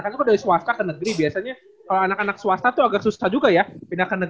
karena kok dari swasta ke negeri biasanya kalau anak anak swasta tuh agak susah juga ya pindah ke negeri